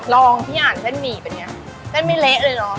ลองที่อ่านเส้นหมี่เป็นไงเส้นไม่เละเลยเหรอ